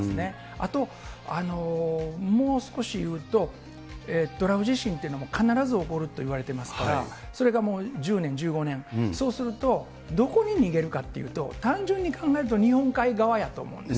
あと、もう少し言うと、トラフ地震というのも必ず起こるといわれてますから、それがもう１０年、１５年、そうすると、どこに逃げるかっていうと、単純に考えると、日本海側やと思うんです。